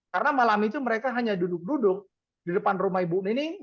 karena malam itu mereka hanya duduk duduk di depan rumah ibu nining